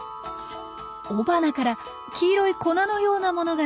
雄花から黄色い粉のようなものが出ています。